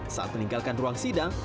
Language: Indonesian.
saat meninggalkan ruang sidang